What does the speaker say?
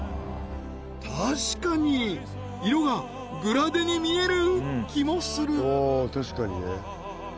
確かに色がグラデに見える気もする